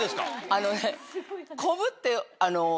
あのね。